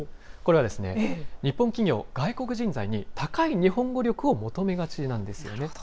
これは、日本企業、外国人材に高い日本語力を求めがちなんですよね。